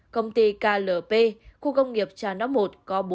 công ty klp khu công nghiệp trà nóc một có bốn